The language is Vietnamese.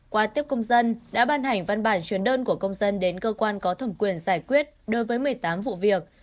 qua tiếp công dân đã ban hành văn bản truyền đơn của công dân đến cơ quan có thẩm quyền giải quyết đối với một mươi tám vụ việc